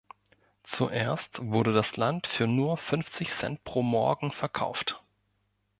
Zuerst wurde das Land für nur fünfzig Cent pro Morgen verkauft.